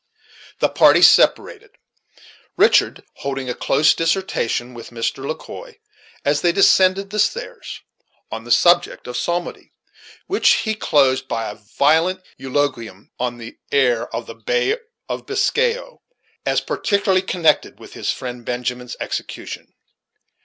The parties separated, Richard holding a close dissertation with Mr. Le Quoi, as they descended the stairs, on the subject of psalmody, which he closed by a violent eulogium on the air of the "Bay of Biscay, O," as particularly connected with his friend Benjamin's execution.